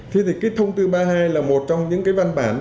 thế thì cái thông tư ba mươi hai là một trong những cái văn bản